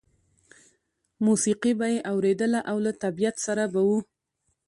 موسیقي به یې اورېدله او له طبیعت سره به و